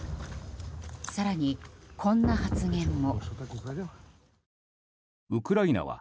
更に、こんな発言も。